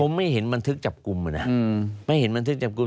ผมไม่เห็นบันทึกจับกลุ่มนะไม่เห็นบันทึกจับกลุ่ม